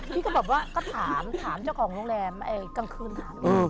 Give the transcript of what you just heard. พี่ก็บอกว่าก็ถามถามเจ้าของโรงแรมกลางคืนถาม